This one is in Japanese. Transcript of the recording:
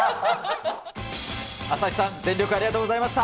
朝日さん、全力ありがとうございました。